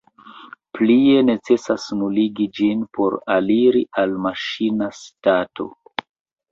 Plie, necesas nuligi ĝin por aliri al maŝina stato.